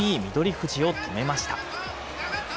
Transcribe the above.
富士を止めました。